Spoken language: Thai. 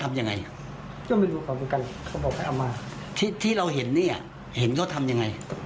ไม่รู้เหมือนยัน